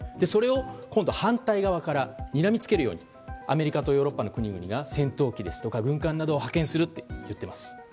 それを今度は反対側からにらみつけるようにアメリカとヨーロッパの国々が戦闘機ですとか、軍艦などを派遣すると言っています。